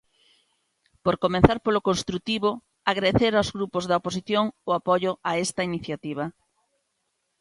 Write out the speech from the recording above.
Por comezar polo construtivo, agradecer aos grupos da oposición o apoio a esta iniciativa.